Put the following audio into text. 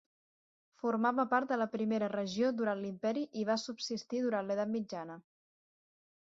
Formava part de la primera regió durant l'imperi i va subsistir durant l'edat mitjana.